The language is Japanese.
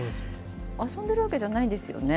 遊んでるわけじゃないんですよね？